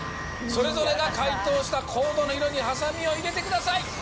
それぞれが解答したコードの色にハサミを入れてください。